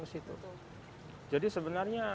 ke situ jadi sebenarnya